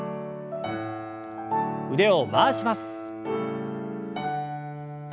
腕を回します。